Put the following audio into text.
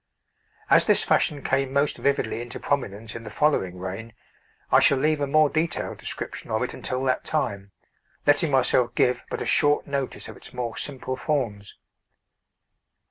As this fashion came most vividly into prominence in the following reign, I shall leave a more detailed description of it until that time, letting myself give but a short notice of its more simple forms.